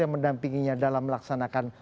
yang mendampinginya dalam melaksanakan